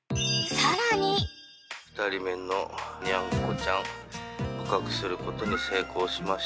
２人目のニャンコちゃん捕獲することに成功しました。